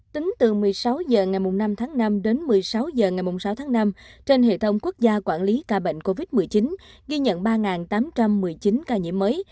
tính từ một mươi sáu h ngày năm tháng năm đến một mươi sáu h ngày sáu tháng năm trên hệ thống quốc gia quản lý ca bệnh covid một mươi chín ghi nhận ba tám trăm một mươi chín ca nhiễm mới